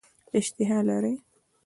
اشتها لري.